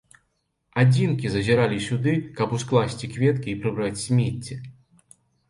Адзінкі зазіралі сюды, каб ускласці кветкі і прыбраць смецце.